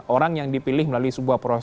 orang yang dipilih melalui sebuah proses